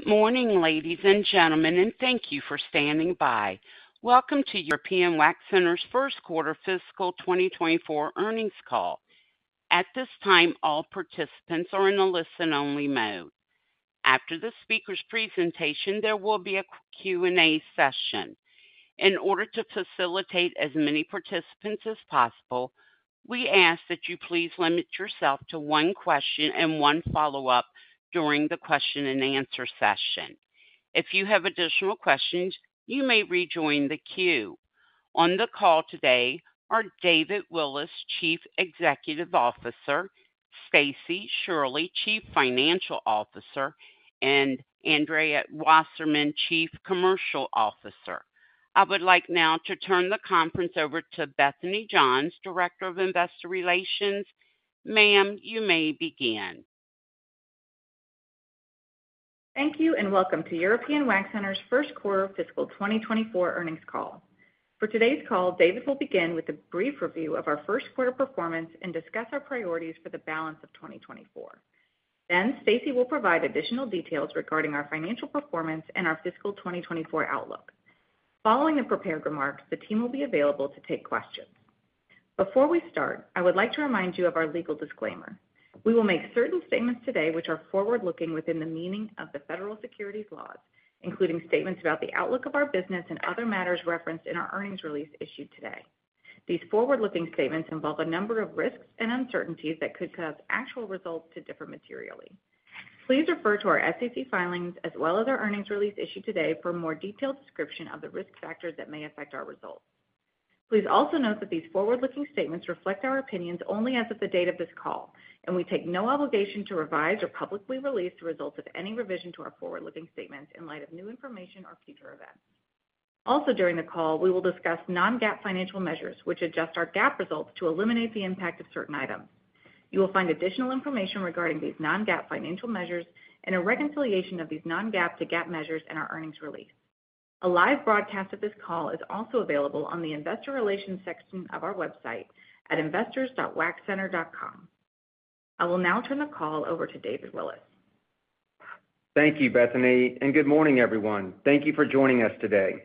Good morning, ladies and gentlemen, and thank you for standing by. Welcome to European Wax Center's First Quarter Fiscal 2024 Earnings Call. At this time, all participants are in a listen-only mode. After the speaker's presentation, there will be a Q&A session. In order to facilitate as many participants as possible, we ask that you please limit yourself to one question and one follow-up during the question-and-answer session. If you have additional questions, you may rejoin the queue. On the call today are David Willis, Chief Executive Officer, Stacie Shirley, Chief Financial Officer, and Andrea Wasserman, Chief Commercial Officer. I would like now to turn the conference over to Bethany Johns, Director of Investor Relations. Ma'am, you may begin. Thank you, and welcome to European Wax Center's First Quarter Fiscal 2024 Earnings Call. For today's call, David will begin with a brief review of our first quarter performance and discuss our priorities for the balance of 2024. Then Stacie will provide additional details regarding our financial performance and our fiscal 2024 outlook. Following the prepared remarks, the team will be available to take questions. Before we start, I would like to remind you of our legal disclaimer. We will make certain statements today which are forward-looking within the meaning of the federal securities laws, including statements about the outlook of our business and other matters referenced in our earnings release issued today. These forward-looking statements involve a number of risks and uncertainties that could cause actual results to differ materially. Please refer to our SEC filings as well as our earnings release issued today for a more detailed description of the risk factors that may affect our results. Please also note that these forward-looking statements reflect our opinions only as of the date of this call, and we take no obligation to revise or publicly release the results of any revision to our forward-looking statements in light of new information or future events. Also, during the call, we will discuss Non-GAAP financial measures, which adjust our GAAP results to eliminate the impact of certain items. You will find additional information regarding these Non-GAAP financial measures and a reconciliation of these Non-GAAP to GAAP measures in our earnings release. A live broadcast of this call is also available on the investor relations section of our website at investors.waxcenter.com. I will now turn the call over to David Willis. Thank you, Bethany, and good morning, everyone. Thank you for joining us today.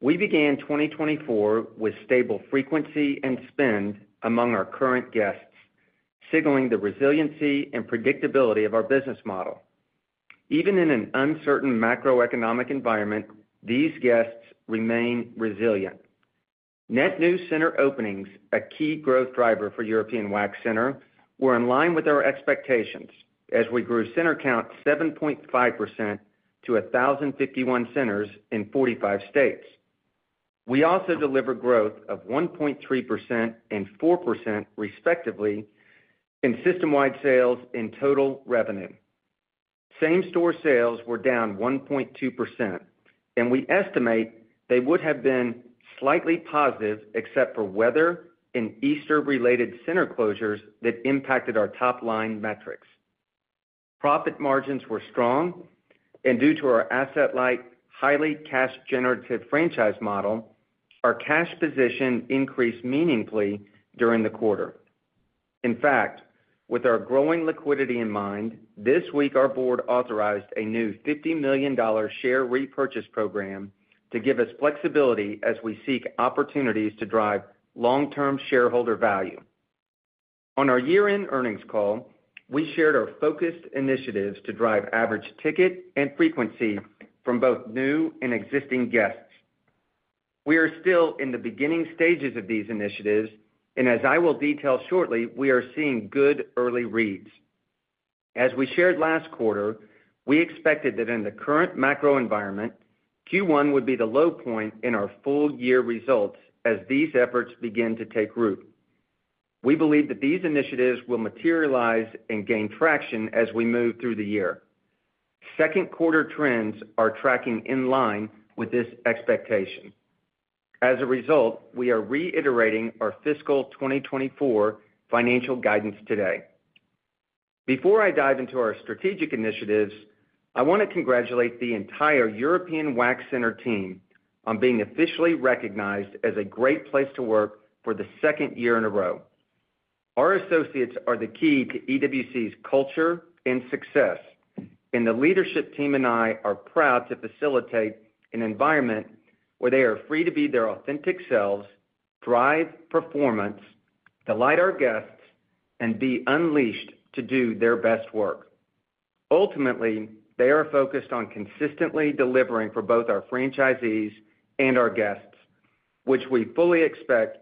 We began 2024 with stable frequency and spend among our current guests, signaling the resiliency and predictability of our business model. Even in an uncertain macroeconomic environment, these guests remain resilient. Net new center openings, a key growth driver for European Wax Center, were in line with our expectations as we grew center count 7.5% to 1,051 centers in 45 states. We also delivered growth of 1.3% and 4%, respectively, in system-wide sales and total revenue. Same-store sales were down 1.2%, and we estimate they would have been slightly positive, except for weather and Easter-related center closures that impacted our top-line metrics. Profit margins were strong, and due to our asset-light, highly cash-generative franchise model, our cash position increased meaningfully during the quarter. In fact, with our growing liquidity in mind, this week, our board authorized a new $50 million share repurchase program to give us flexibility as we seek opportunities to drive long-term shareholder value. On our year-end earnings call, we shared our focused initiatives to drive average ticket and frequency from both new and existing guests. We are still in the beginning stages of these initiatives, and as I will detail shortly, we are seeing good early reads. As we shared last quarter, we expected that in the current macro environment, Q1 would be the low point in our full year results as these efforts begin to take root. We believe that these initiatives will materialize and gain traction as we move through the year. Second quarter trends are tracking in line with this expectation. As a result, we are reiterating our fiscal 2024 financial guidance today. Before I dive into our strategic initiatives, I want to congratulate the entire European Wax Center team on being officially recognized as a Great Place to Work for the second year in a row. Our associates are the key to EWC's culture and success, and the leadership team and I are proud to facilitate an environment where they are free to be their authentic selves, drive performance, delight our guests, and be unleashed to do their best work. Ultimately, they are focused on consistently delivering for both our franchisees and our guests, which we fully expect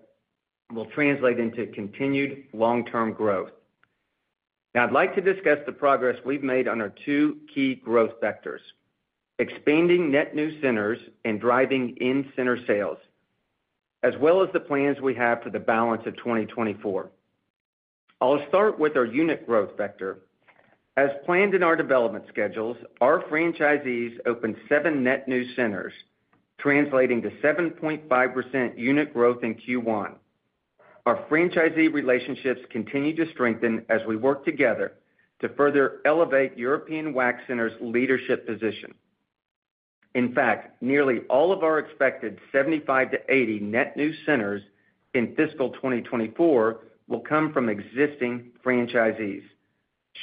will translate into continued long-term growth. Now, I'd like to discuss the progress we've made on our two key growth vectors, expanding net new centers and driving in-center sales, as well as the plans we have for the balance of 2024. I'll start with our unit growth vector. As planned in our development schedules, our franchisees opened seven net new centers, translating to 7.5% unit growth in Q1. Our franchisee relationships continue to strengthen as we work together to further elevate European Wax Center's leadership position. In fact, nearly all of our expected 75-80 net new centers in fiscal 2024 will come from existing franchisees,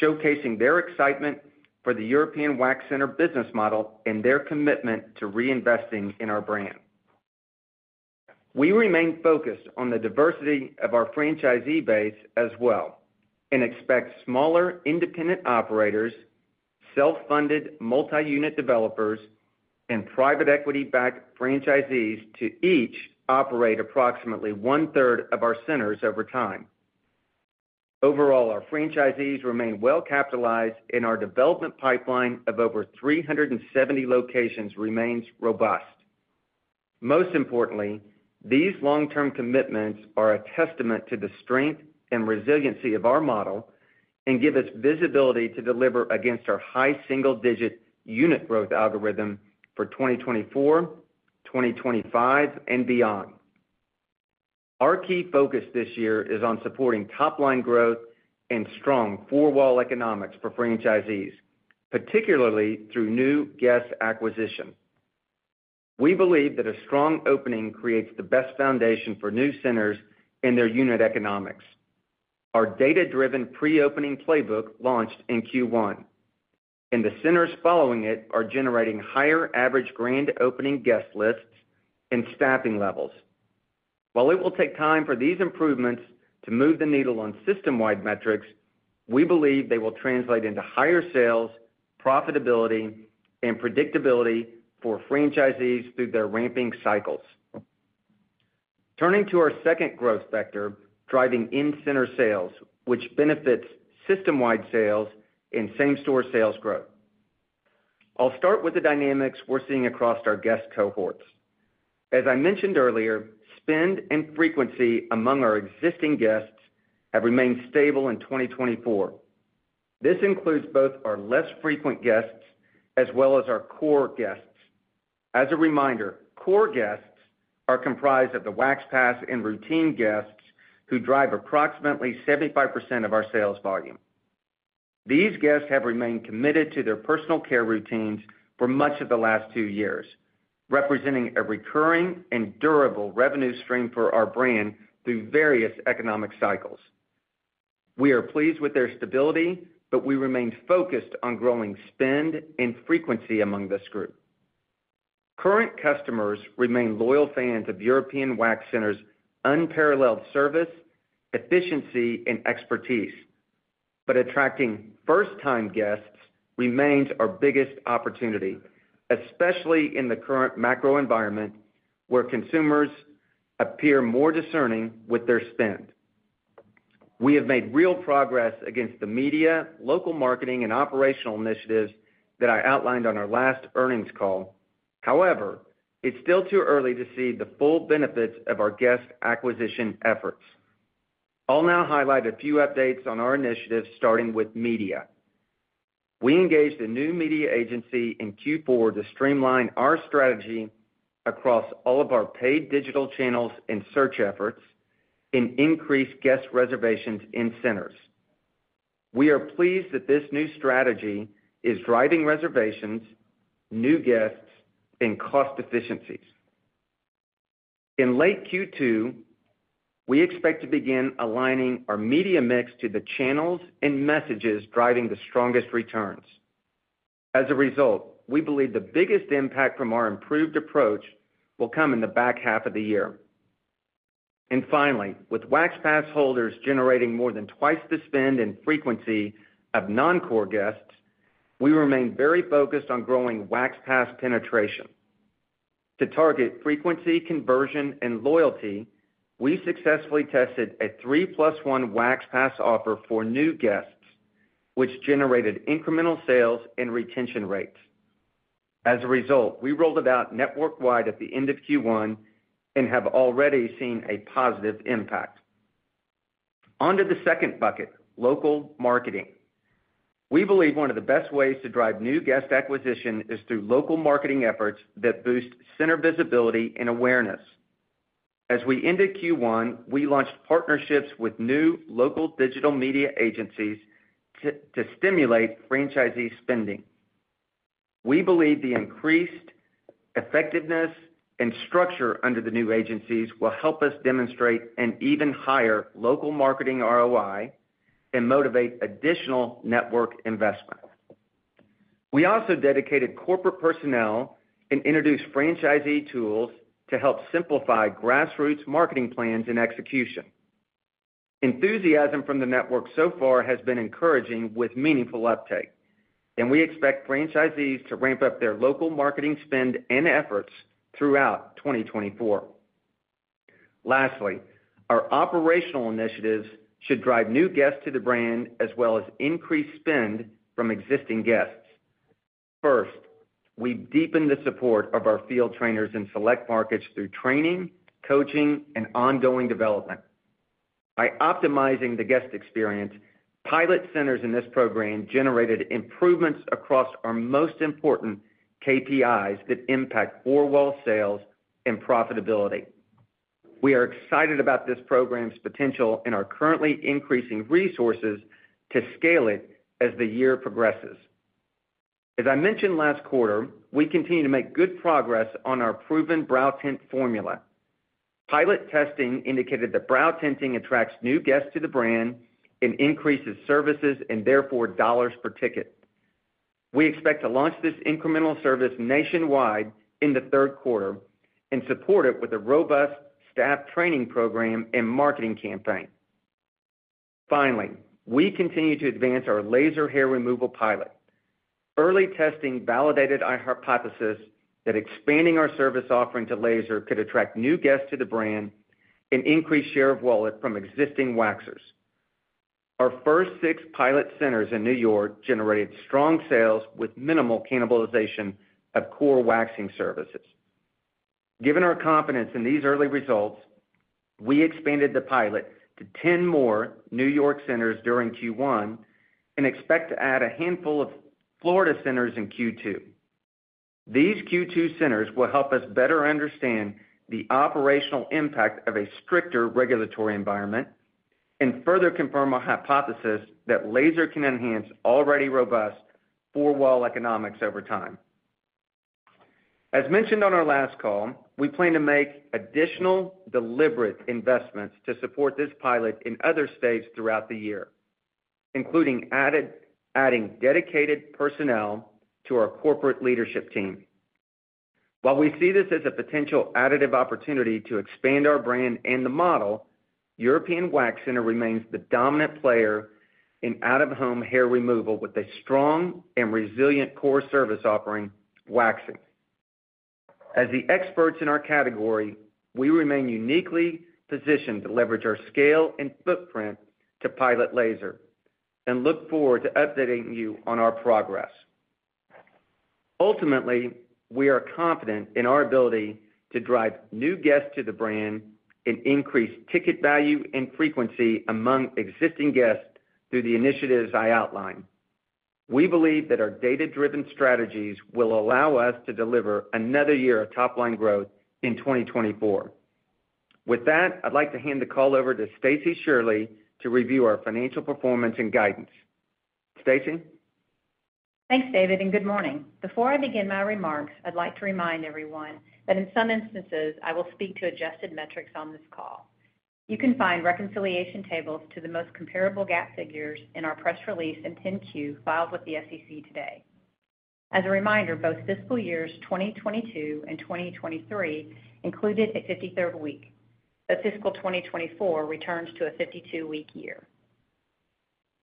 showcasing their excitement for the European Wax Center business model and their commitment to reinvesting in our brand. We remain focused on the diversity of our franchisee base as well, and expect smaller independent operators, self-funded multi-unit developers, and private equity-backed franchisees to each operate approximately one-third of our centers over time. Overall, our franchisees remain well-capitalized, and our development pipeline of over 370 locations remains robust. Most importantly, these long-term commitments are a testament to the strength and resiliency of our model and give us visibility to deliver against our high single-digit unit growth algorithm for 2024, 2025, and beyond. Our key focus this year is on supporting top-line growth and strong four-wall economics for franchisees, particularly through new guest acquisition. We believe that a strong opening creates the best foundation for new centers and their unit economics. Our data-driven pre-opening playbook launched in Q1, and the centers following it are generating higher average grand opening guest lists and staffing levels. While it will take time for these improvements to move the needle on system-wide metrics, we believe they will translate into higher sales, profitability, and predictability for franchisees through their ramping cycles. Turning to our second growth vector, driving in-center sales, which benefits system-wide sales and same-store sales growth. I'll start with the dynamics we're seeing across our guest cohorts. As I mentioned earlier, spend and frequency among our existing guests have remained stable in 2024. This includes both our less frequent guests as well as our core guests. As a reminder, core guests are comprised of the Wax Pass and routine guests who drive approximately 75% of our sales volume. These guests have remained committed to their personal care routines for much of the last two years, representing a recurring and durable revenue stream for our brand through various economic cycles. We are pleased with their stability, but we remain focused on growing spend and frequency among this group. Current customers remain loyal fans of European Wax Center's unparalleled service, efficiency, and expertise, but attracting first-time guests remains our biggest opportunity, especially in the current macro environment, where consumers appear more discerning with their spend. We have made real progress against the media, local marketing, and operational initiatives that I outlined on our last earnings call. However, it's still too early to see the full benefits of our guest acquisition efforts. I'll now highlight a few updates on our initiatives, starting with media. We engaged a new media agency in Q4 to streamline our strategy across all of our paid digital channels and search efforts and increase guest reservations in centers. We are pleased that this new strategy is driving reservations, new guests, and cost efficiencies. In late Q2, we expect to begin aligning our media mix to the channels and messages driving the strongest returns. As a result, we believe the biggest impact from our improved approach will come in the back half of the year. And finally, with Wax Pass holders generating more than twice the spend and frequency of non-core guests, we remain very focused on growing Wax Pass penetration. To target frequency, conversion, and loyalty, we successfully tested a 3+1 Wax Pass offer for new guests, which generated incremental sales and retention rates. As a result, we rolled it out network-wide at the end of Q1 and have already seen a positive impact. On to the second bucket, local marketing. We believe one of the best ways to drive new guest acquisition is through local marketing efforts that boost center visibility and awareness. As we ended Q1, we launched partnerships with new local digital media agencies to stimulate franchisee spending. We believe the increased effectiveness and structure under the new agencies will help us demonstrate an even higher local marketing ROI and motivate additional network investment. We also dedicated corporate personnel and introduced franchisee tools to help simplify grassroots marketing plans and execution. Enthusiasm from the network so far has been encouraging with meaningful uptake, and we expect franchisees to ramp up their local marketing spend and efforts throughout 2024. Lastly, our operational initiatives should drive new guests to the brand as well as increase spend from existing guests. First, we've deepened the support of our Field Trainers in select markets through training, coaching, and ongoing development. By optimizing the guest experience, pilot centers in this program generated improvements across our most important KPIs that impact four-wall sales and profitability.... We are excited about this program's potential and are currently increasing resources to scale it as the year progresses. As I mentioned last quarter, we continue to make good progress on our proven Brow Tint formula. Pilot testing indicated that brow tinting attracts new guests to the brand and increases services and therefore dollars per ticket. We expect to launch this incremental service nationwide in the third quarter and support it with a robust staff training program and marketing campaign. Finally, we continue to advance our laser hair removal pilot. Early testing validated our hypothesis that expanding our service offering to laser could attract new guests to the brand and increase share of wallet from existing waxers. Our first six pilot centers in New York generated strong sales with minimal cannibalization of core waxing services. Given our confidence in these early results, we expanded the pilot to 10 more New York centers during Q1 and expect to add a handful of Florida centers in Q2. These Q2 centers will help us better understand the operational impact of a stricter regulatory environment and further confirm our hypothesis that laser can enhance already robust four-wall economics over time. As mentioned on our last call, we plan to make additional deliberate investments to support this pilot in other states throughout the year, including adding dedicated personnel to our corporate leadership team. While we see this as a potential additive opportunity to expand our brand and the model, European Wax Center remains the dominant player in out-of-home hair removal, with a strong and resilient core service offering, waxing. As the experts in our category, we remain uniquely positioned to leverage our scale and footprint to pilot laser and look forward to updating you on our progress. Ultimately, we are confident in our ability to drive new guests to the brand and increase ticket value and frequency among existing guests through the initiatives I outlined. We believe that our data-driven strategies will allow us to deliver another year of top-line growth in 2024. With that, I'd like to hand the call over to Stacie Shirley to review our financial performance and guidance. Stacie? Thanks, David, and good morning. Before I begin my remarks, I'd like to remind everyone that in some instances, I will speak to adjusted metrics on this call. You can find reconciliation tables to the most comparable GAAP figures in our press release and 10-Q filed with the SEC today. As a reminder, both fiscal years 2022 and 2023 included a 53rd week, but fiscal 2024 returns to a 52-week year.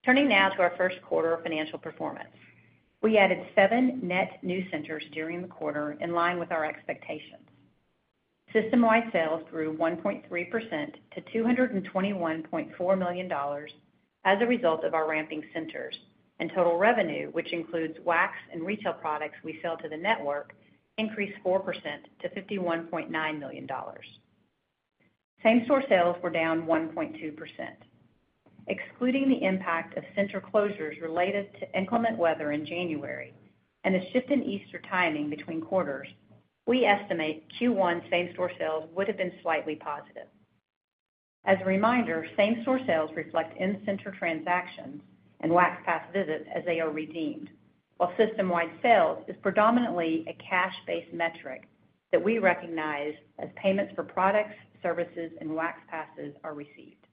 Turning now to our first quarter financial performance. We added seven net new centers during the quarter, in line with our expectations. System-wide sales grew 1.3% to $221.4 million as a result of our ramping centers, and total revenue, which includes wax and retail products we sell to the network, increased 4% to $51.9 million. Same-store sales were down 1.2%. Excluding the impact of center closures related to inclement weather in January and a shift in Easter timing between quarters, we estimate Q1 same-store sales would have been slightly positive. As a reminder, same-store sales reflect in-center transactions and wax pass visits as they are redeemed, while system-wide sales is predominantly a cash-based metric that we recognize as payments for products, services, and wax passes are received.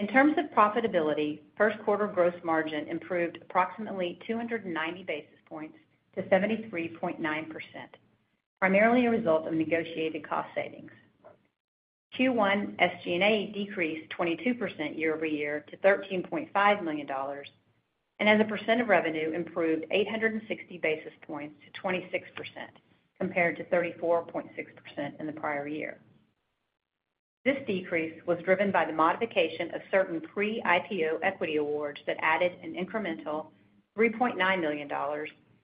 In terms of profitability, first quarter gross margin improved approximately 290 basis points to 73.9%, primarily a result of negotiated cost savings. Q1 SG&A decreased 22% year-over-year to $13.5 million, and as a percent of revenue, improved 860 basis points to 26%, compared to 34.6% in the prior year. This decrease was driven by the modification of certain pre-IPO equity awards that added an incremental $3.9 million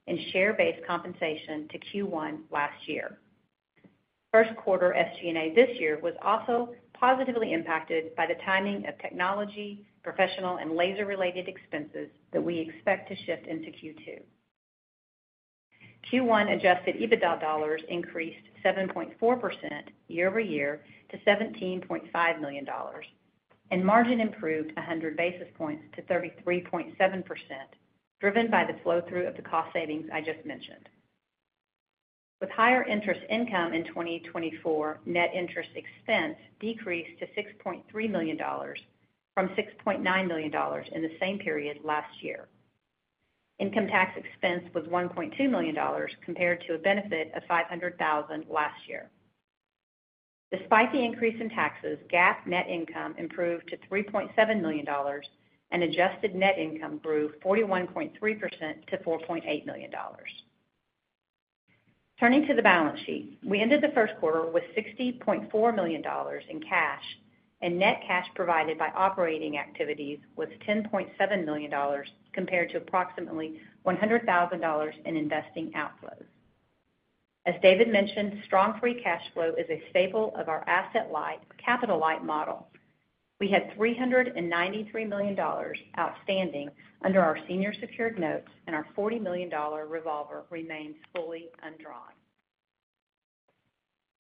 in share-based compensation to Q1 last year. First quarter SG&A this year was also positively impacted by the timing of technology, professional, and laser-related expenses that we expect to shift into Q2. Q1 adjusted EBITDA dollars increased 7.4% year-over-year to $17.5 million, and margin improved 100 basis points to 33.7%, driven by the flow-through of the cost savings I just mentioned. With higher interest income in 2024, net interest expense decreased to $6.3 million from $6.9 million in the same period last year. Income tax expense was $1.2 million, compared to a benefit of $500,000 last year. Despite the increase in taxes, GAAP net income improved to $3.7 million, and adjusted net income grew 41.3% to $4.8 million. Turning to the balance sheet, we ended the first quarter with $60.4 million in cash, and net cash provided by operating activities was $10.7 million, compared to approximately $100,000 in investing outflows. As David mentioned, strong free cash flow is a staple of our asset-light, capital-light model. We had $393 million outstanding under our senior secured notes, and our $40 million revolver remains fully undrawn.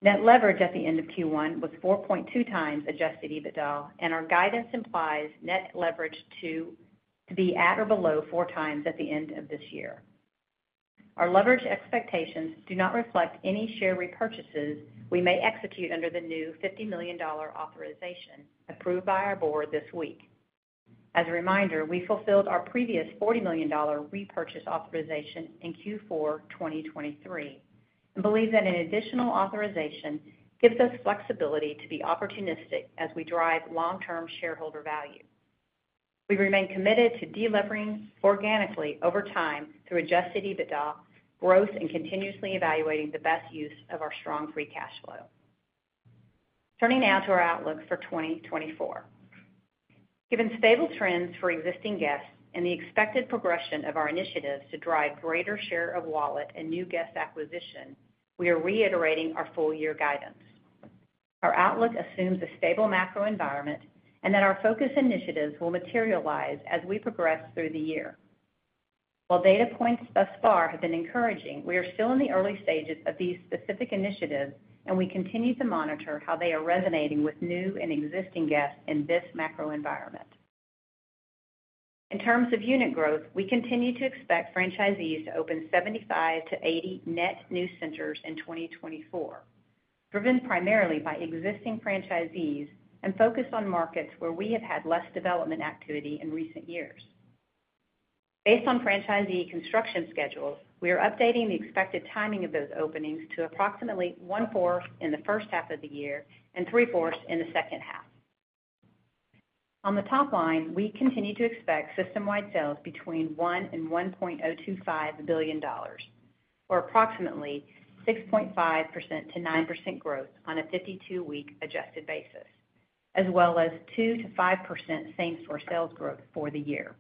Net leverage at the end of Q1 was 4.2x adjusted EBITDA, and our guidance implies net leverage to be at or below 4x at the end of this year. Our leverage expectations do not reflect any share repurchases we may execute under the new $50 million authorization approved by our board this week. As a reminder, we fulfilled our previous $40 million repurchase authorization in Q4 2023, and believe that an additional authorization gives us flexibility to be opportunistic as we drive long-term shareholder value. We remain committed to delivering organically over time through Adjusted EBITDA growth and continuously evaluating the best use of our strong free cash flow. Turning now to our outlook for 2024. Given stable trends for existing guests and the expected progression of our initiatives to drive greater share of wallet and new guest acquisition, we are reiterating our full year guidance. Our outlook assumes a stable macro environment and that our focus initiatives will materialize as we progress through the year. While data points thus far have been encouraging, we are still in the early stages of these specific initiatives, and we continue to monitor how they are resonating with new and existing guests in this macro environment. In terms of unit growth, we continue to expect franchisees to open 75-80 net new centers in 2024, driven primarily by existing franchisees and focused on markets where we have had less development activity in recent years. Based on franchisee construction schedules, we are updating the expected timing of those openings to approximately one-fourth in the first half of the year and three-fourths in the second half. On the top line, we continue to expect system-wide sales between $1 and $1.025 billion, or approximately 6.5%-9% growth on a 52-week adjusted basis, as well as 2%-5% same-store sales growth for the year.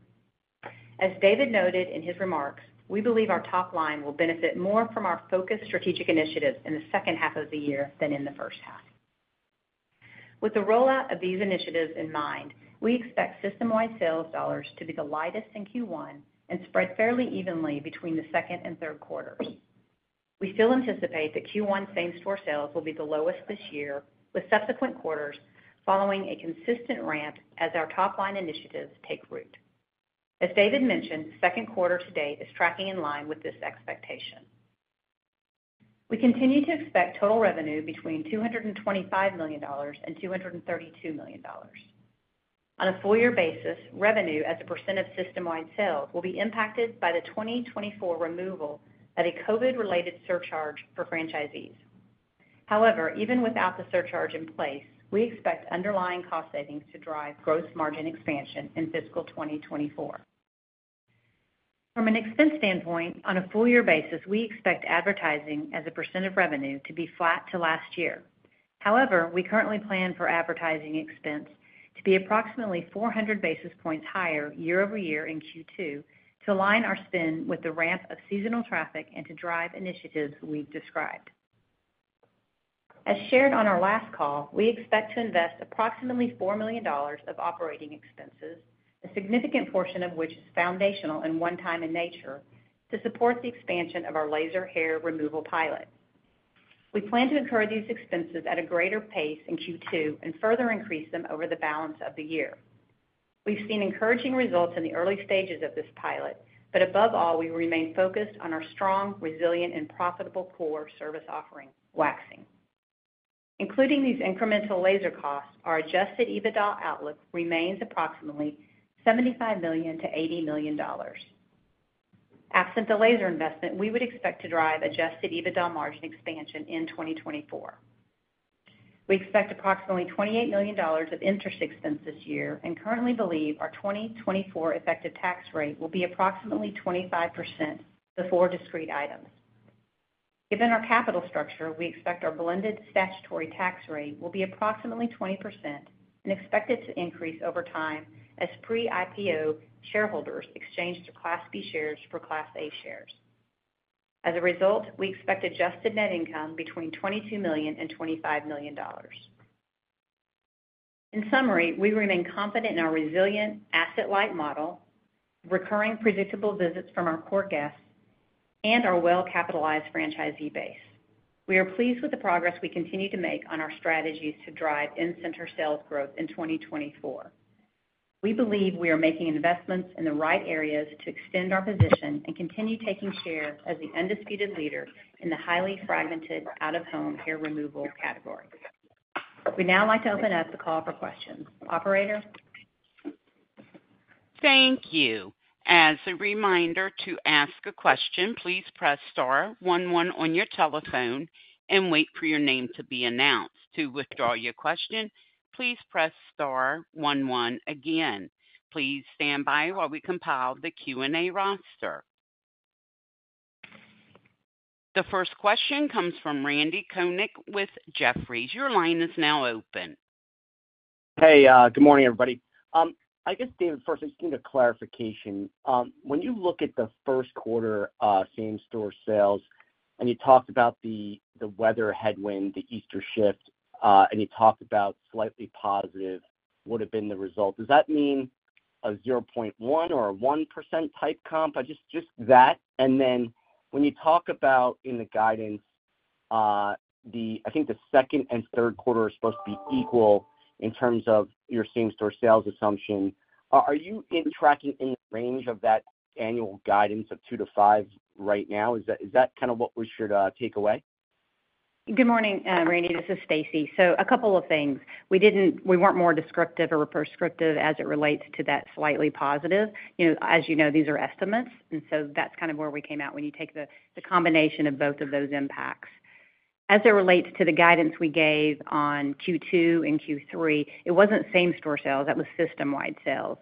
As David noted in his remarks, we believe our top line will benefit more from our focused strategic initiatives in the second half of the year than in the first half. With the rollout of these initiatives in mind, we expect system-wide sales dollars to be the lightest in Q1 and spread fairly evenly between the second and third quarters. We still anticipate that Q1 same-store sales will be the lowest this year, with subsequent quarters following a consistent ramp as our top-line initiatives take root. As David mentioned, second quarter to date is tracking in line with this expectation. We continue to expect total revenue between $225 million and $232 million. On a full year basis, revenue as a % of system-wide sales will be impacted by the 2024 removal of a COVID-related surcharge for franchisees. However, even without the surcharge in place, we expect underlying cost savings to drive gross margin expansion in fiscal 2024. From an expense standpoint, on a full year basis, we expect advertising as a % of revenue to be flat to last year. However, we currently plan for advertising expense to be approximately 400 basis points higher year-over-year in Q2 to align our spend with the ramp of seasonal traffic and to drive initiatives we've described. As shared on our last call, we expect to invest approximately $4 million of operating expenses, a significant portion of which is foundational and one-time in nature, to support the expansion of our laser hair removal pilot. We plan to incur these expenses at a greater pace in Q2 and further increase them over the balance of the year. We've seen encouraging results in the early stages of this pilot, but above all, we remain focused on our strong, resilient, and profitable core service offering, waxing. Including these incremental laser costs, our Adjusted EBITDA outlook remains approximately $75 million-$80 million. Absent the laser investment, we would expect to drive Adjusted EBITDA margin expansion in 2024. We expect approximately $28 million of interest expense this year and currently believe our 2024 effective tax rate will be approximately 25% before discrete items. Given our capital structure, we expect our blended statutory tax rate will be approximately 20% and expect it to increase over time as pre-IPO shareholders exchange to Class B shares for Class A shares. As a result, we expect adjusted net income between $22 million and $25 million. In summary, we remain confident in our resilient asset-light model, recurring predictable visits from our core guests, and our well-capitalized franchisee base. We are pleased with the progress we continue to make on our strategies to drive in-center sales growth in 2024. We believe we are making investments in the right areas to extend our position and continue taking share as the undisputed leader in the highly fragmented out-of-home hair removal category. We'd now like to open up the call for questions. Operator? Thank you. As a reminder to ask a question, please press star one one on your telephone and wait for your name to be announced. To withdraw your question, please press star one one again. Please stand by while we compile the Q&A roster. The first question comes from Randy Konik with Jefferies. Your line is now open. Hey, good morning, everybody. I guess, David, first, I just need a clarification. When you look at the first quarter, same-store sales... And you talked about the, the weather headwind, the Easter shift, and you talked about slightly positive would have been the result. Does that mean a 0.1% or a 1% type comp? Just, just that. And then when you talk about in the guidance, the, I think the second and third quarter are supposed to be equal in terms of your same-store sales assumption. Are, are you in tracking in the range of that annual guidance of 2%-5% right now? Is that, is that kind of what we should take away? Good morning, Randy. This is Stacie. So a couple of things: we weren't more descriptive or prescriptive as it relates to that slightly positive. You know, as you know, these are estimates, and so that's kind of where we came out when you take the combination of both of those impacts. As it relates to the guidance we gave on Q2 and Q3, it wasn't same-store sales, that was system-wide sales.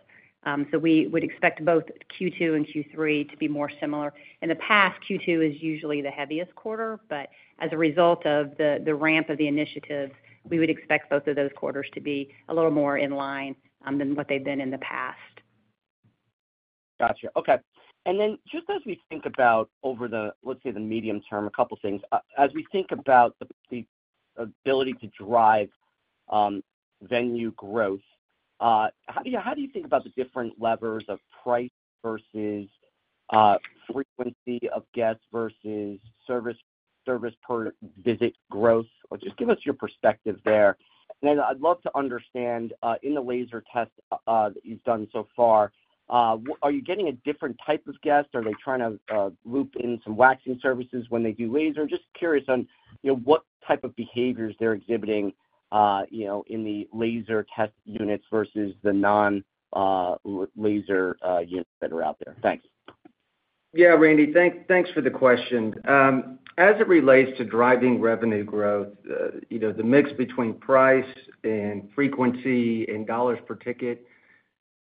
So we would expect both Q2 and Q3 to be more similar. In the past, Q2 is usually the heaviest quarter, but as a result of the ramp of the initiative, we would expect both of those quarters to be a little more in line than what they've been in the past. Gotcha. Okay. And then just as we think about over the, let's say, the medium term, a couple things. As we think about the, the ability to drive, venue growth, how do you, how do you think about the different levers of price versus, frequency of guests versus service, service per visit growth? Or just give us your perspective there. Then I'd love to understand, in the laser test, that you've done so far, are you getting a different type of guest? Are they trying to, loop in some waxing services when they do laser? Just curious on, you know, what type of behaviors they're exhibiting, you know, in the laser test units versus the non, laser, units that are out there. Thanks. Yeah, Randy, thanks for the question. As it relates to driving revenue growth, you know, the mix between price and frequency and dollars per ticket,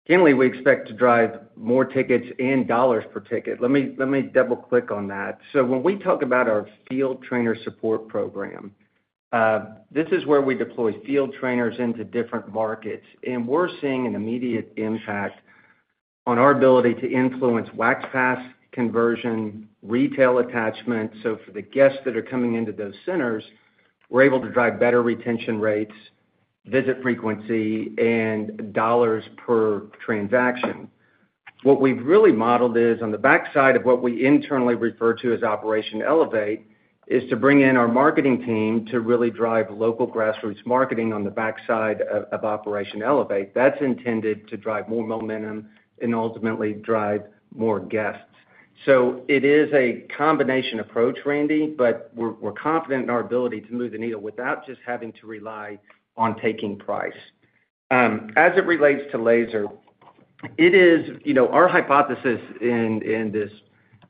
generally, we expect to drive more tickets and dollars per ticket. Let me double-click on that. So when we talk about our Field Trainer support program, this is where we deploy Field Trainers into different markets, and we're seeing an immediate impact on our ability to influence Wax Pass conversion, retail attachment. So for the guests that are coming into those centers, we're able to drive better retention rates, visit frequency, and dollars per transaction. What we've really modeled is on the backside of what we internally refer to as Operation Elevate, is to bring in our marketing team to really drive local grassroots marketing on the backside of Operation Elevate. That's intended to drive more momentum and ultimately drive more guests. So it is a combination approach, Randy, but we're confident in our ability to move the needle without just having to rely on taking price. As it relates to laser, it is, you know, our hypothesis in this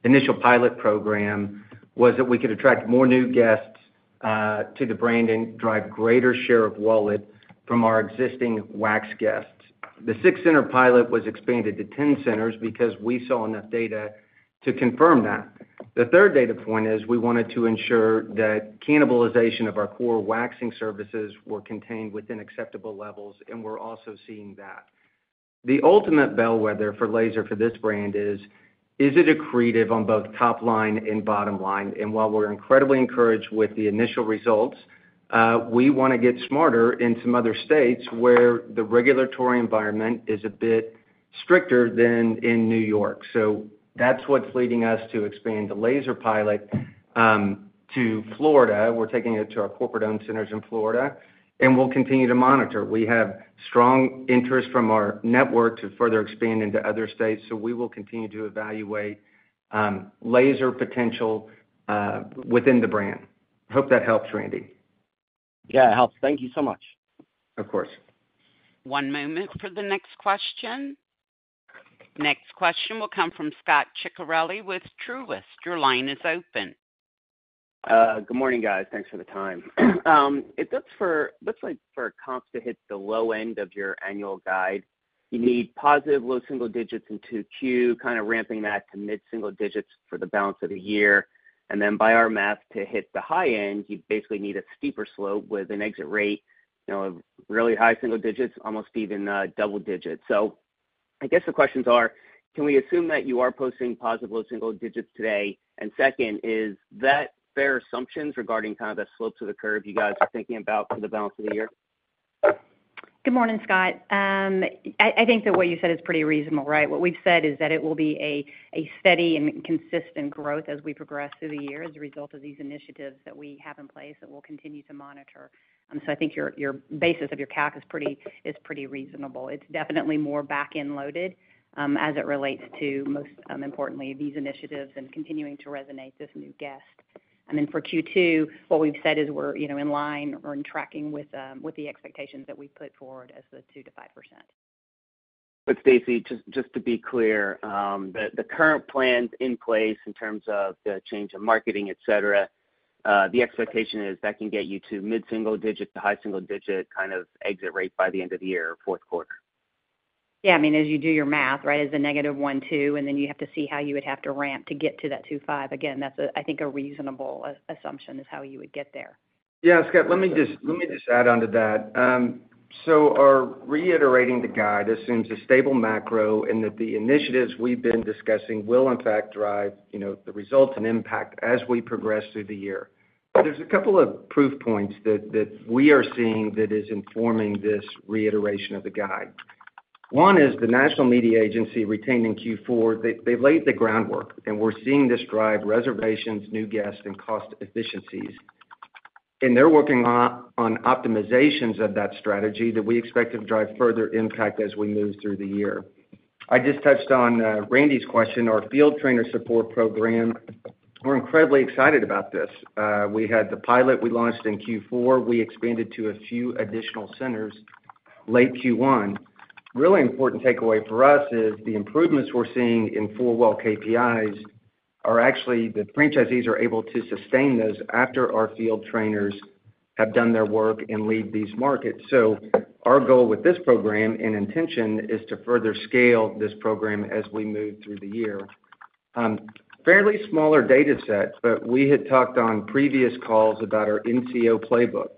initial pilot program was that we could attract more new guests to the brand and drive greater share of wallet from our existing wax guests. The 6-center pilot was expanded to 10 centers because we saw enough data to confirm that. The third data point is we wanted to ensure that cannibalization of our core waxing services were contained within acceptable levels, and we're also seeing that. The ultimate bellwether for laser for this brand is it accretive on both top line and bottom line? While we're incredibly encouraged with the initial results, we want to get smarter in some other states where the regulatory environment is a bit stricter than in New York. That's what's leading us to expand the laser pilot to Florida. We're taking it to our corporate-owned centers in Florida, and we'll continue to monitor. We have strong interest from our network to further expand into other states, so we will continue to evaluate laser potential within the brand. Hope that helps, Randy. Yeah, it helps. Thank you so much. Of course. One moment for the next question. Next question will come from Scot Ciccarelli with Truist. Your line is open. Good morning, guys. Thanks for the time. It looks like for comps to hit the low end of your annual guide, you need positive low single digits in 2Q, kind of ramping that to mid single digits for the balance of the year. And then by our math, to hit the high end, you basically need a steeper slope with an exit rate, you know, of really high single digits, almost even, double digits. So I guess the questions are: Can we assume that you are posting positive low single digits today? And second, is that fair assumptions regarding kind of the slope of the curve you guys are thinking about for the balance of the year? Good morning, Scot. I think that what you said is pretty reasonable, right? What we've said is that it will be a steady and consistent growth as we progress through the year as a result of these initiatives that we have in place that we'll continue to monitor. So I think your basis of your calc is pretty reasonable. It's definitely more back-end loaded, as it relates to most importantly, these initiatives and continuing to resonate this new guest. And then for Q2, what we've said is we're, you know, in line or in tracking with the expectations that we put forward as the 2%-5%. Stacie, just to be clear, the current plans in place in terms of the change in marketing, et cetera, the expectation is that can get you to mid-single digit to high single digit kind of exit rate by the end of the year, fourth quarter? Yeah, I mean, as you do your math, right, as a -1.2, and then you have to see how you would have to ramp to get to that 2.5. Again, that's, I think a reasonable assumption is how you would get there. Yeah, Scott, let me just, let me just add on to that. So our reiterating the guide assumes a stable macro and that the initiatives we've been discussing will in fact drive, you know, the results and impact as we progress through the year. But there's a couple of proof points that, that we are seeing that is informing this reiteration of the guide. One is the national media agency retained in Q4, they, they laid the groundwork, and we're seeing this drive reservations, new guests, and cost efficiencies. And they're working on, on optimizations of that strategy that we expect to drive further impact as we move through the year. I just touched on Randal's question, our Field Trainer support program. We're incredibly excited about this. We had the pilot we launched in Q4. We expanded to a few additional centers late Q1. Really important takeaway for us is the improvements we're seeing in four-wall KPIs are actually, the franchisees are able to sustain those after our Field Trainers have done their work and leave these markets. So our goal with this program, and intention, is to further scale this program as we move through the year. Fairly smaller data sets, but we had talked on previous calls about our NCO playbook.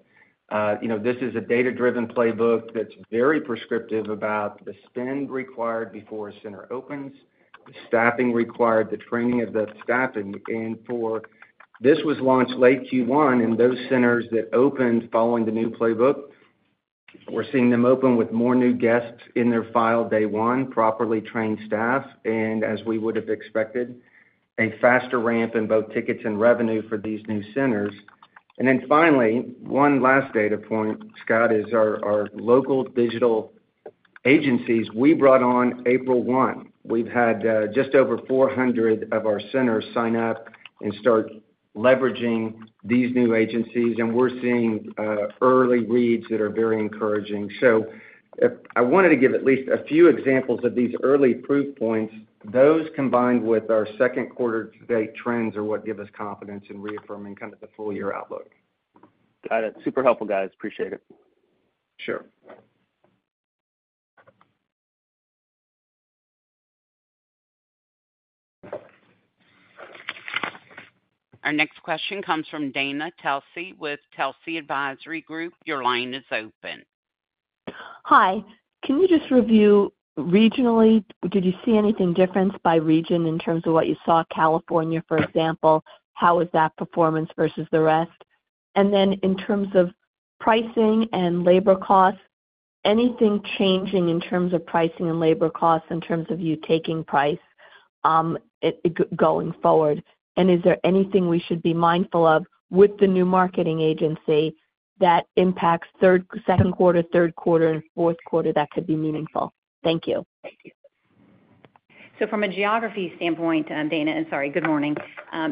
You know, this is a data-driven playbook that's very prescriptive about the spend required before a center opens, the staffing required, the training of the staffing. This was launched late Q1, and those centers that opened following the new playbook, we're seeing them open with more new guests in their file day one, properly trained staff, and as we would have expected, a faster ramp in both tickets and revenue for these new centers. And then finally, one last data point, Scot, is our local digital agencies we brought on April 1. We've had just over 400 of our centers sign up and start leveraging these new agencies, and we're seeing early reads that are very encouraging. So, I wanted to give at least a few examples of these early proof points. Those, combined with our second quarter to-date trends, are what give us confidence in reaffirming kind of the full-year outlook. Got it. Super helpful, guys. Appreciate it. Sure. Our next question comes from Dana Telsey with Telsey Advisory Group. Your line is open. Hi. Can you just review regionally, did you see anything different by region in terms of what you saw, California, for example, how was that performance versus the rest? And then in terms of pricing and labor costs, anything changing in terms of pricing and labor costs, in terms of you taking price going forward? And is there anything we should be mindful of with the new marketing agency that impacts second quarter, third quarter, and fourth quarter, that could be meaningful? Thank you. So from a geography standpoint, Dana, and sorry, good morning,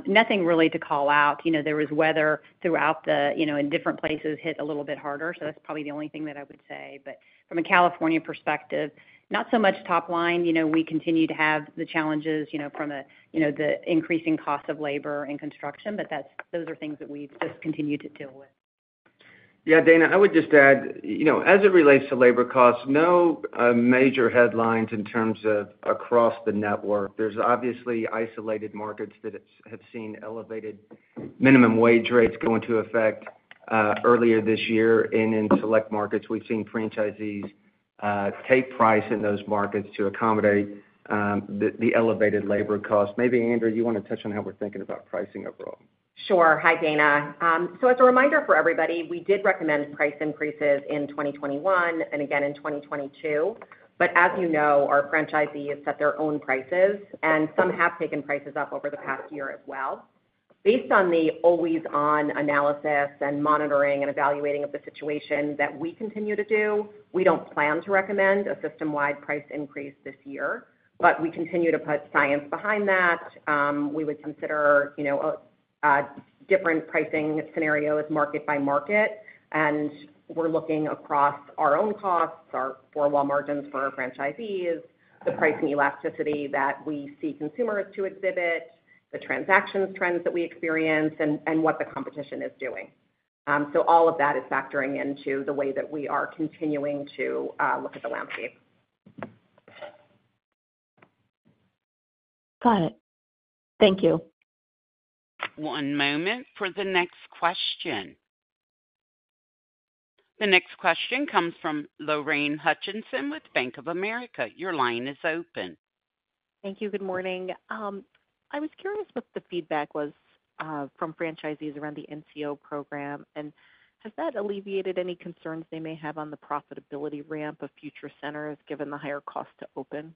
nothing really to call out. You know, there was weather throughout the, you know, and different places hit a little bit harder, so that's probably the only thing that I would say. But from a California perspective, not so much top line. You know, we continue to have the challenges, you know, from a, you know, the increasing cost of labor and construction, but that's, those are things that we just continue to deal with. Yeah, Dana, I would just add, you know, as it relates to labor costs, no major headlines in terms of across the network. There's obviously isolated markets that it's have seen elevated minimum wage rates go into effect earlier this year. And in select markets, we've seen franchisees take price in those markets to accommodate the elevated labor costs. Maybe, Andrea, you want to touch on how we're thinking about pricing overall? Sure. Hi, Dana. So as a reminder for everybody, we did recommend price increases in 2021 and again in 2022. But as you know, our franchisees set their own prices, and some have taken prices up over the past year as well. Based on the always-on analysis and monitoring and evaluating of the situation that we continue to do, we don't plan to recommend a system-wide price increase this year, but we continue to put science behind that. We would consider, you know, different pricing scenarios market by market, and we're looking across our own costs, our four-wall margins for our franchisees, the pricing elasticity that we see consumers to exhibit, the transactions trends that we experience, and what the competition is doing. So all of that is factoring into the way that we are continuing to look at the landscape. Got it. Thank you. One moment for the next question. The next question comes from Lorraine Hutchinson with Bank of America. Your line is open. Thank you. Good morning. I was curious what the feedback was from franchisees around the NCO program, and has that alleviated any concerns they may have on the profitability ramp of future centers, given the higher cost to open?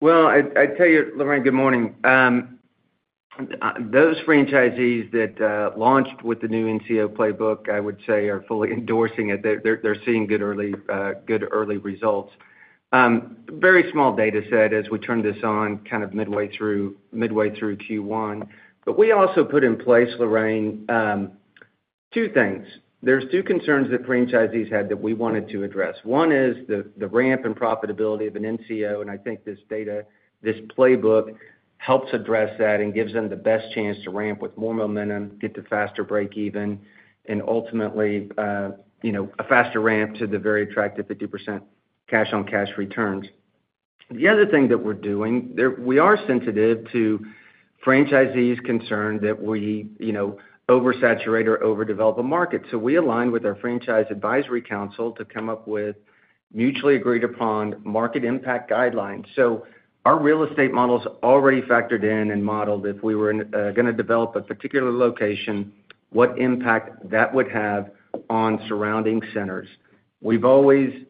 Well, I'd tell you, Lorraine, good morning. Those franchisees that launched with the new NCO playbook, I would say, are fully endorsing it. They're seeing good early results. Very small data set as we turn this on, kind of midway through, midway through Q1. But we also put in place, Lorraine, two things. There's two concerns that franchisees had that we wanted to address. One is the ramp and profitability of an NCO, and I think this data, this playbook, helps address that and gives them the best chance to ramp with more momentum, get to faster break even, and ultimately, you know, a faster ramp to the very attractive 50% cash on cash returns. The other thing that we're doing, we are sensitive to franchisees concerned that we, you know, oversaturate or overdevelop a market. So we align with our franchise advisory council to come up with mutually agreed upon market impact guidelines. So our real estate model is already factored in and modeled if we were in, gonna develop a particular location, what impact that would have on surrounding centers. We've always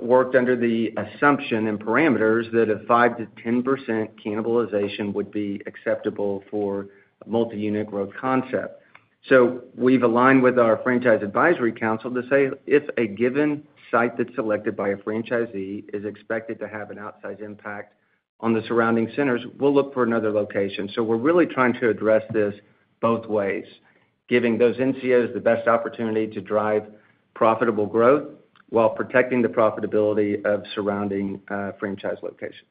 worked under the assumption and parameters that a 5%-10% cannibalization would be acceptable for a multi-unit growth concept. So we've aligned with our franchise advisory council to say, if a given site that's selected by a franchisee is expected to have an outsized impact on the surrounding centers, we'll look for another location. So we're really trying to address this both ways, giving those NCOs the best opportunity to drive profitable growth while protecting the profitability of surrounding, franchise locations.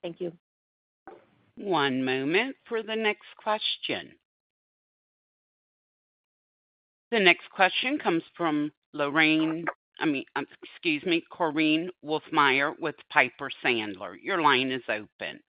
Thank you. One moment for the next question. The next question comes from Lorraine, I mean, excuse me, Korinne Wolfmeyer with Piper Sandler. Your line is open.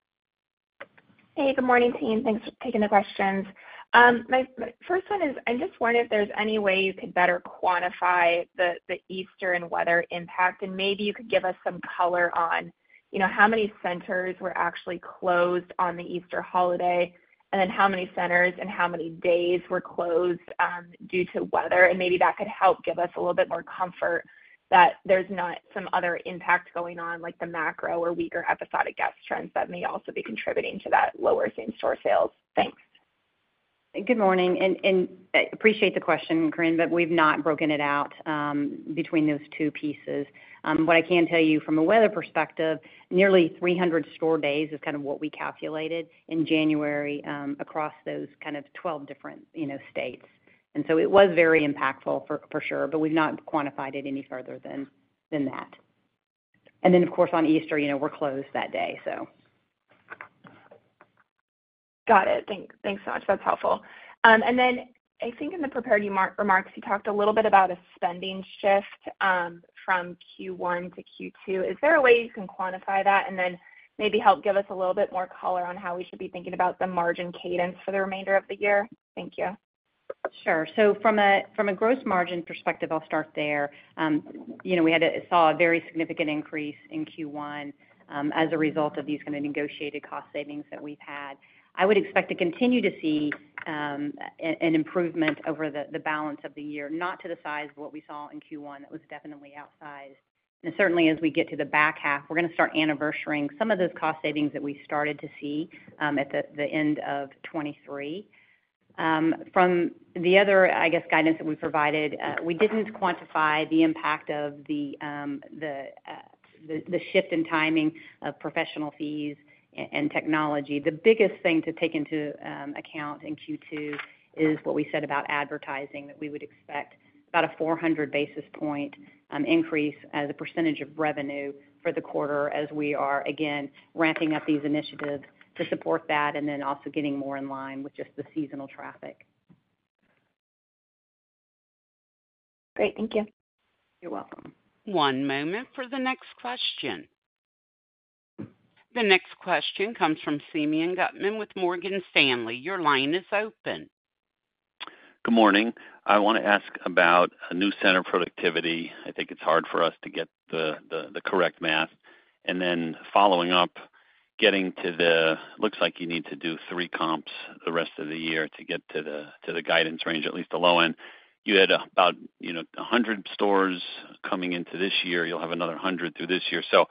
Hey, good morning, team. Thanks for taking the questions. My first one is, I'm just wondering if there's any way you could better quantify the Easter and weather impact, and maybe you could give us some color on, you know, how many centers were actually closed on the Easter holiday, and then how many centers and how many days were closed due to weather? And maybe that could help give us a little bit more comfort that there's not some other impact going on, like the macro or weaker episodic guest trends that may also be contributing to that lower same-store sales. Thanks. Good morning and appreciate the question, Korinne, but we've not broken it out between those two pieces. What I can tell you from a weather perspective, nearly 300 store days is kind of what we calculated in January across those kind of 12 different, you know, states. And so it was very impactful for sure, but we've not quantified it any further than that. And then, of course, on Easter, you know, we're closed that day, so. Got it. Thanks, thanks so much. That's helpful. And then I think in the prepared remarks, you talked a little bit about a spending shift from Q1 to Q2. Is there a way you can quantify that and then maybe help give us a little bit more color on how we should be thinking about the margin cadence for the remainder of the year? Thank you. Sure. So from a gross margin perspective, I'll start there. You know, we had saw a very significant increase in Q1, as a result of these kind of negotiated cost savings that we've had. I would expect to continue to see an improvement over the balance of the year, not to the size of what we saw in Q1. That was definitely outsized. And certainly, as we get to the back half, we're gonna start anniversarying some of those cost savings that we started to see at the end of 2023. From the other, I guess, guidance that we provided, we didn't quantify the impact of the shift in timing of professional fees and technology. The biggest thing to take into account in Q2 is what we said about advertising, that we would expect about a 400 basis points increase as a percentage of revenue for the quarter as we are, again, ramping up these initiatives to support that, and then also getting more in line with just the seasonal traffic. Great. Thank you. You're welcome. One moment for the next question. The next question comes from Simeon Gutman with Morgan Stanley. Your line is open. Good morning. I want to ask about a new center productivity. I think it's hard for us to get the correct math. And then following up, looks like you need to do 3 comps the rest of the year to get to the guidance range, at least the low end. You had about, you know, 100 stores coming into this year. You'll have another 100 through this year. So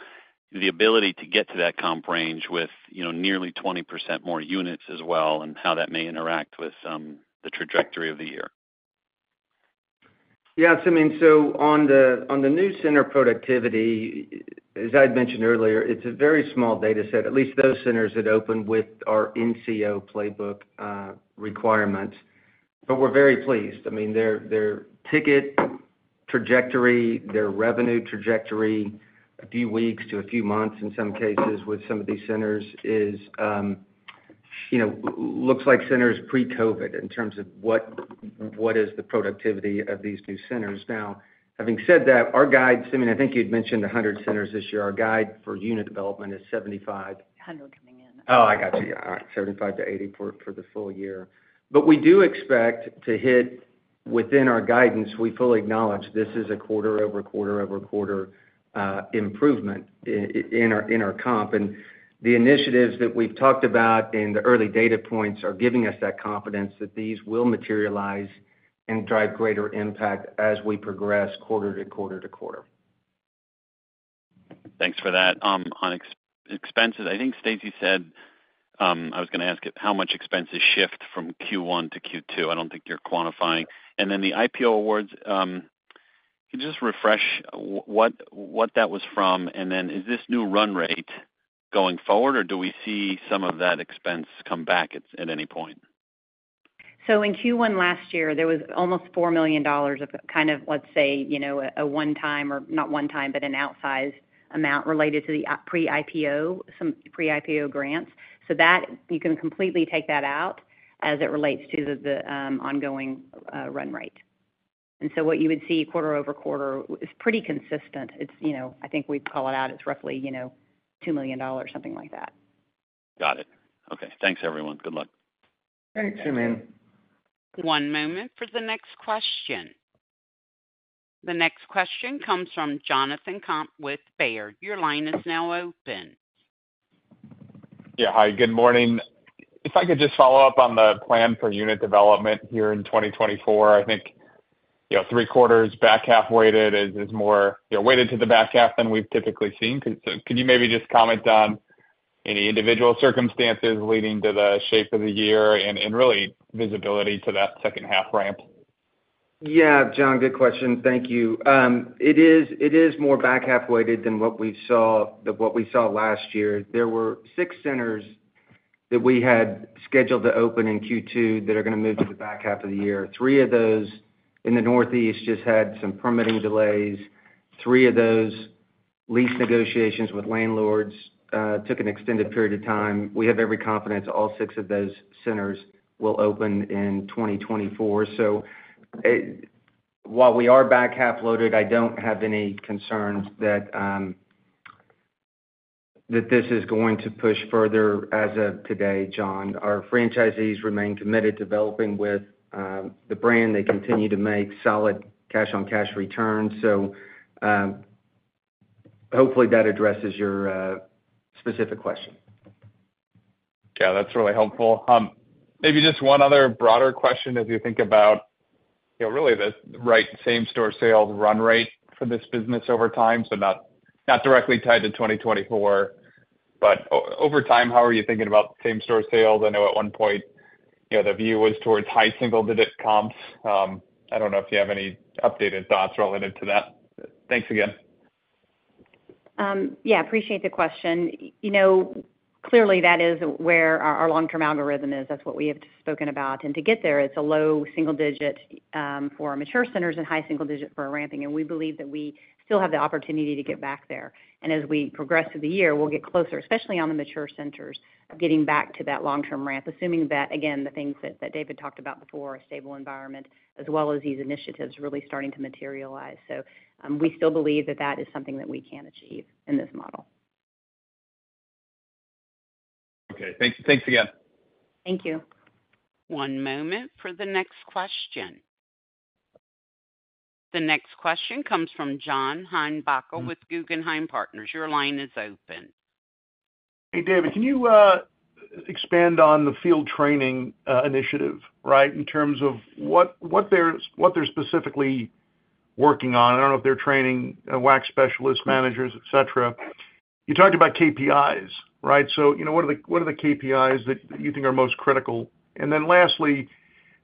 the ability to get to that comp range with, you know, nearly 20% more units as well, and how that may interact with the trajectory of the year. Yes, I mean, so on the new center productivity, as I'd mentioned earlier, it's a very small data set, at least those centers that opened with our NCO playbook requirements. But we're very pleased. I mean, their ticket trajectory, their revenue trajectory, a few weeks to a few months in some cases with some of these centers is, you know, looks like centers pre-COVID in terms of what is the productivity of these new centers. Now, having said that, our guide, Simeon, I think you'd mentioned 100 centers this year. Our guide for unit development is 75. 100 coming in. Oh, I got you. All right. 75-80 for the full year. But we do expect to hit within our guidance. We fully acknowledge this is a quarter-over-quarter-over-quarter improvement in our comp. And the initiatives that we've talked about in the early data points are giving us that confidence that these will materialize and drive greater impact as we progress quarter to quarter to quarter. Thanks for that. On expenses, I think Stacie said, I was gonna ask how much expenses shift from Q1 to Q2. I don't think you're quantifying. And then the IPO awards, can you just refresh what, what that was from? And then, is this new run rate going forward, or do we see some of that expense come back at any point? So in Q1 last year, there was almost $4 million of kind of, let's say, you know, a one-time, or not one time, but an outsized amount related to the pre-IPO, some pre-IPO grants. So that, you can completely take that out as it relates to the ongoing run rate. And so what you would see quarter-over-quarter is pretty consistent. It's, you know, I think we'd call it out, it's roughly, you know, $2 million, something like that. Got it. Okay. Thanks, everyone. Good luck. Thanks, Simeon. One moment for the next question. The next question comes from Jonathan Komp with Baird. Your line is now open. Yeah. Hi, good morning. If I could just follow up on the plan for unit development here in 2024. I think, you know, three-quarters back-half weighted is more, you know, weighted to the back half than we've typically seen. So could you maybe just comment on any individual circumstances leading to the shape of the year and really visibility to that second half ramp? Yeah, John, good question. Thank you. It is, it is more back half-weighted than what we saw- than what we saw last year. There were six centers that we had scheduled to open in Q2 that are gonna move to the back half of the year. Three of those in the Northeast just had some permitting delays. Three of those lease negotiations with landlords took an extended period of time. We have every confidence all six of those centers will open in 2024. So, while we are back half-loaded, I don't have any concerns that that this is going to push further as of today, John. Our franchisees remain committed to developing with the brand. They continue to make solid cash-on-cash returns. So, hopefully, that addresses your specific question. Yeah, that's really helpful. Maybe just one other broader question as you think about, you know, really the right same-store sales run rate for this business over time, so not directly tied to 2024. But over time, how are you thinking about same-store sales? I know at one point, you know, the view was towards high single-digit comps. I don't know if you have any updated thoughts relative to that. Thanks again. Yeah, appreciate the question. You know, clearly, that is where our long-term algorithm is. That's what we have spoken about. And to get there, it's a low single digit for our mature centers and high single digit for our ramping. And we believe that we still have the opportunity to get back there. And as we progress through the year, we'll get closer, especially on the mature centers, getting back to that long-term ramp. Assuming that, again, the things that David talked about before, a stable environment, as well as these initiatives really starting to materialize. So, we still believe that is something that we can achieve in this model. Okay, thanks. Thanks again. Thank you. One moment for the next question. The next question comes from John Heinbockel with Guggenheim Partners. Your line is open. Hey, David, can you expand on the field training initiative, right? In terms of what they're specifically working on. I don't know if they're training Wax Specialist, managers, et cetera. You talked about KPIs, right? So, you know, what are the KPIs that you think are most critical? And then lastly,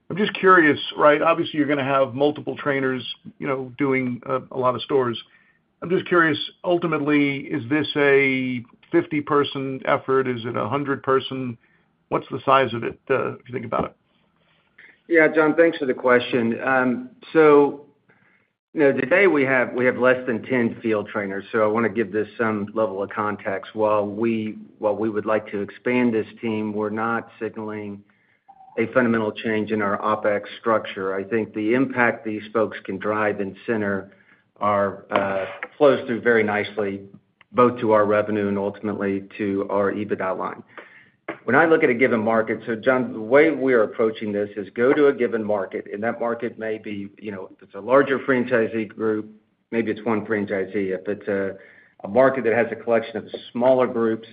I'm just curious, right, obviously, you're gonna have multiple trainers, you know, doing a lot of stores. I'm just curious, ultimately, is this a 50-person effort? Is it a 100-person? What's the size of it, if you think about it? Yeah, John, thanks for the question. So, you know, today we have less than 10 Field Trainers, so I wanna give this some level of context. While we would like to expand this team, we're not signaling a fundamental change in our OpEx structure. I think the impact these folks can drive in center are flows through very nicely, both to our revenue and ultimately to our EBITDA line. When I look at a given market... So John, the way we are approaching this is go to a given market, and that market may be, you know, if it's a larger franchisee group, maybe it's one franchisee. If it's a market that has a collection of smaller groups,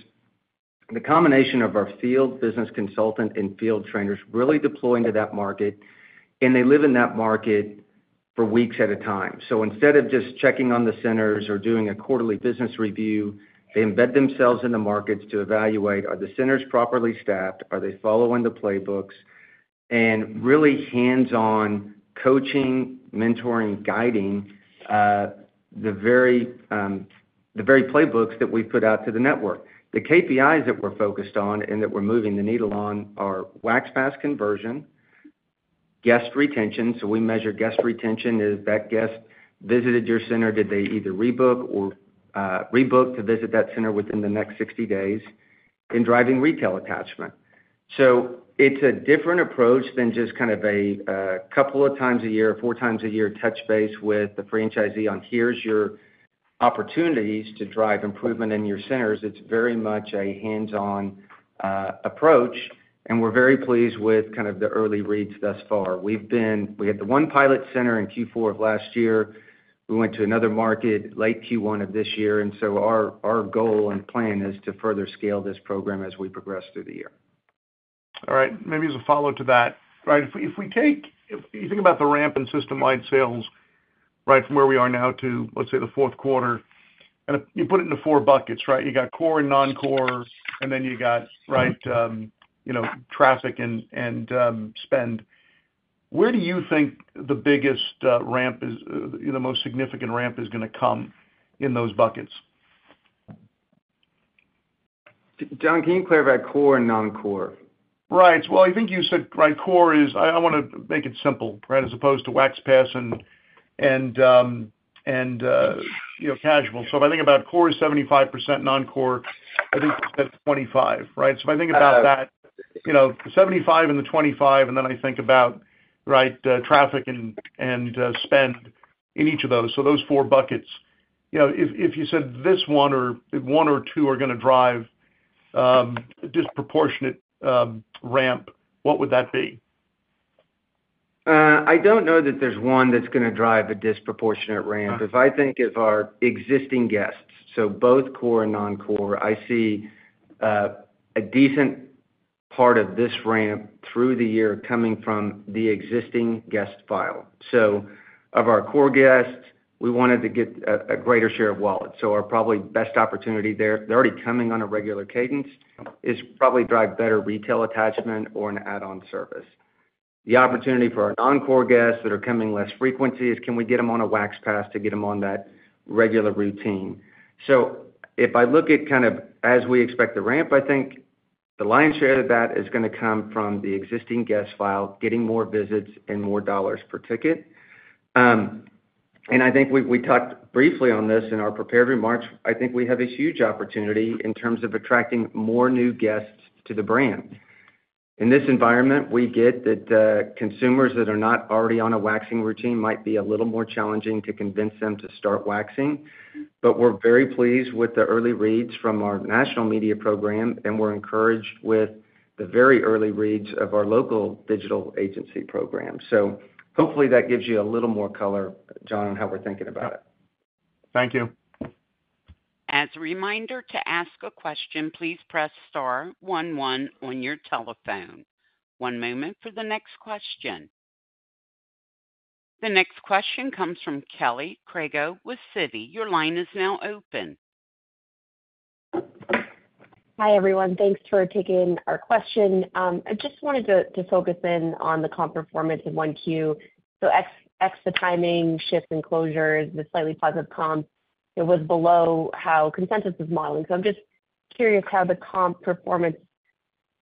the combination of our Field Business Consultant and Field Trainers really deploying to that market, and they live in that market for weeks at a time. So instead of just checking on the centers or doing a quarterly business review, they embed themselves in the markets to evaluate, are the centers properly staffed? Are they following the playbooks? And really hands-on coaching, mentoring, guiding, the very, the very playbooks that we put out to the network. The KPIs that we're focused on and that we're moving the needle on are Wax Pass conversion, guest retention, so we measure guest retention. If that guest visited your center, did they either rebook or rebook to visit that center within the next 60 days? And driving retail attachment. So it's a different approach than just kind of a couple of times a year, four times a year, touch base with the franchisee on, "Here's your opportunities to drive improvement in your centers." It's very much a hands-on approach, and we're very pleased with kind of the early reads thus far. We had the one pilot center in Q4 of last year. We went to another market, late Q1 of this year, and so our goal and plan is to further scale this program as we progress through the year. All right, maybe as a follow-up to that, right, if we take—if you think about the ramp in System-Wide Sales, right, from where we are now to, let's say, the fourth quarter, and if you put it into four buckets, right? You got core and non-core, and then you got, right, you know, traffic and spend. Where do you think the biggest ramp is, the most significant ramp is gonna come in those buckets? John, can you clarify core and non-core? Right. Well, I think you said, right, core is... I wanna make it simple, right? As opposed to Wax Pass and, and, you know, casual. So if I think about core, 75%, non-core, I think it's at 25, right? So if I think about that, you know, 75 and the 25, and then I think about, right, traffic and spend in each of those. So those four buckets. You know, if you said this one or one or two are going to drive disproportionate ramp, what would that be? I don't know that there's one that's going to drive a disproportionate ramp. Uh. If I think of our existing guests, so both core and non-core, I see a decent part of this ramp through the year coming from the existing guest file. So of our core guests, we wanted to get a greater share of wallet. So our probably best opportunity there, they're already coming on a regular cadence, is probably drive better retail attachment or an add-on service. The opportunity for our non-core guests that are coming less frequency is can we get them on a Wax Pass to get them on that regular routine? So if I look at kind of as we expect the ramp, I think the lion's share of that is going to come from the existing guest file, getting more visits and more dollars per ticket. And I think we talked briefly on this in our prepared remarks. I think we have a huge opportunity in terms of attracting more new guests to the brand. In this environment, we get that, consumers that are not already on a waxing routine might be a little more challenging to convince them to start waxing, but we're very pleased with the early reads from our national media program, and we're encouraged with the very early reads of our local digital agency program. So hopefully that gives you a little more color, John, on how we're thinking about it. Thank you. As a reminder, to ask a question, please press star one, one on your telephone. One moment for the next question. The next question comes from Kelly Crago with Citi. Your line is now open. Hi, everyone. Thanks for taking our question. I just wanted to focus in on the comp performance in 1Q. So ex the timing, shifts and closures, the slightly positive comp, it was below how consensus was modeling. So I'm just curious how the comp performance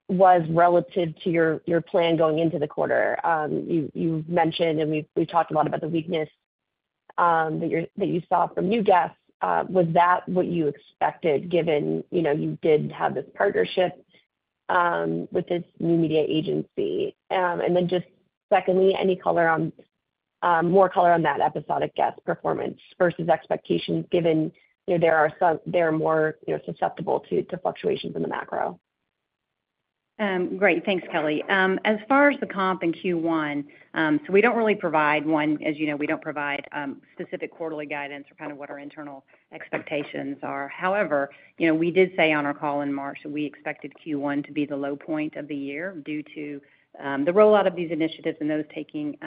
was relative to your plan going into the quarter. You mentioned, and we've talked a lot about the weakness that you saw from new guests. Was that what you expected, given you know, you did have this partnership with this new media agency? And then just secondly, any color on more color on that episodic guest performance versus expectations, given you know, they are more you know, susceptible to fluctuations in the macro. Great. Thanks, Kelly. As far as the comp in Q1, so we don't really provide one. As you know, we don't provide specific quarterly guidance for kind of what our internal expectations are. However, you know, we did say on our call in March that we expected Q1 to be the low point of the year due to the rollout of these initiatives and those taking,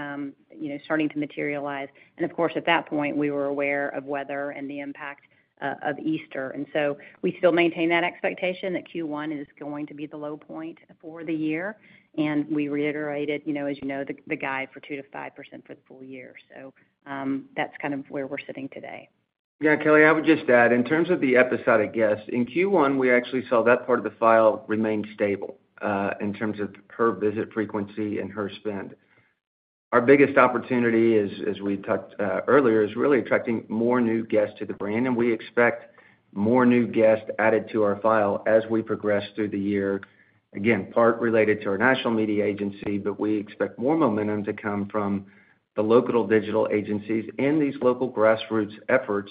you know, starting to materialize. And of course, at that point, we were aware of weather and the impact of Easter. And so we still maintain that expectation that Q1 is going to be the low point for the year, and we reiterated, you know, as you know, the guide for 2%-5% for the full year. So, that's kind of where we're sitting today. Yeah, Kelly, I would just add, in terms of the episodic guests, in Q1, we actually saw that part of the file remain stable in terms of her visit frequency and her spend. Our biggest opportunity, as we talked earlier, is really attracting more new guests to the brand, and we expect more new guests added to our file as we progress through the year. Again, part related to our national media agency, but we expect more momentum to come from the local digital agencies and these local grassroots efforts.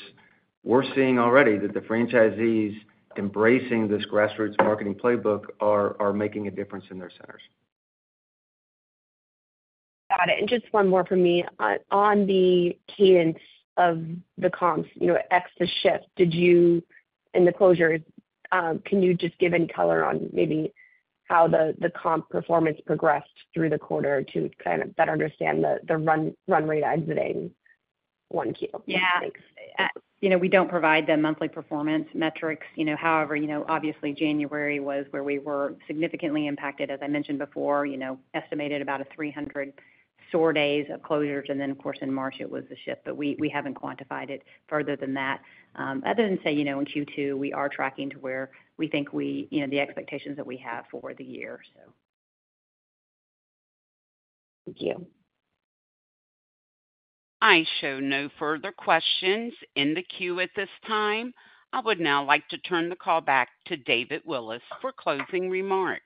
We're seeing already that the franchisees embracing this grassroots marketing playbook are making a difference in their centers. Got it. And just one more for me. On the cadence of the comps, you know, ex the shift, did you... In the closures, can you just give any color on maybe how the comp performance progressed through the quarter to kind of better understand the run rate exiting 1Q? Yeah. Thanks. You know, we don't provide the monthly performance metrics. You know, however, you know, obviously January was where we were significantly impacted, as I mentioned before, you know, estimated about 300 store days of closures, and then of course, in March it was the shift. But we haven't quantified it further than that, other than to say, you know, in Q2, we are tracking to where we think we, you know, the expectations that we have for the year, so. Thank you. I show no further questions in the queue at this time. I would now like to turn the call back to David Willis for closing remarks.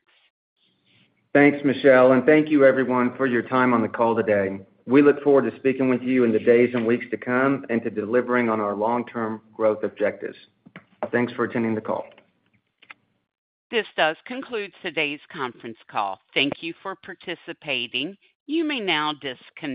Thanks, Michelle, and thank you everyone for your time on the call today. We look forward to speaking with you in the days and weeks to come and to delivering on our long-term growth objectives. Thanks for attending the call. This does conclude today's conference call. Thank you for participating. You may now disconnect.